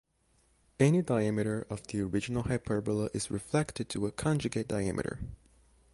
Any diameter of the original hyperbola is reflected to a conjugate diameter.